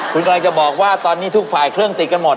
คุณกำลังจะบอกว่าตอนนี้ทุกฝ่ายเครื่องติดกันหมด